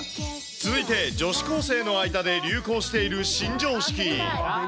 続いて女子高生の間で流行している新常識。